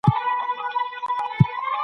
د خلګو غوښتنو ته د حکومتونو لخوا درناوی وسو.